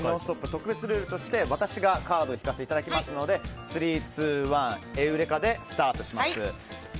特別ルールとして私がカードを引かせていただきますのでスリー、ツー、ワン、エウレカでスタートします。